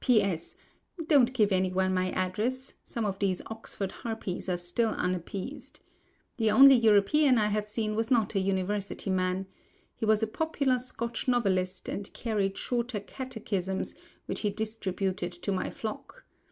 P.S.—Don't give any one my address; some of these Oxford harpies are still unappeased. The only European I have seen was not an University man. He was a popular Scotch novelist, and carried Shorter Catechisms, which he distributed to my flock.